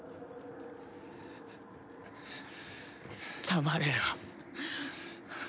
黙れよ。